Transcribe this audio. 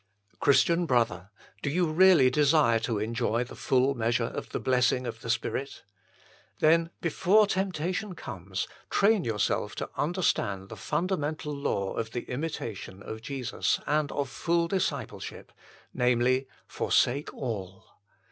Christian brother, do you really desire to enjoy the full measure of the blessing of the Spirit ? Then, before temptation comes, train yourself to understand the fundamental law of the imitation of Jesus and of full discipleship namely, Forsake all.